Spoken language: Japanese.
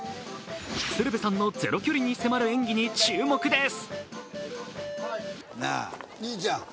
鶴瓶さんのゼロ距離に迫る演技に注目です。